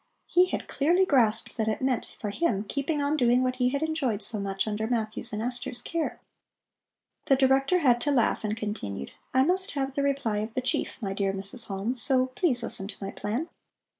He had clearly grasped that it meant for him keeping on doing what he had enjoyed so much under Matthew's and Esther's care. The Director had to laugh, and continued: "I must have the reply of the chief, my dear Mrs. Halm, so please listen to my plan.